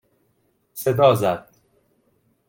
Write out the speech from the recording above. صدا زد